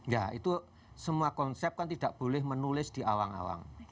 ya itu semua konsep kan tidak boleh menulis di awang awang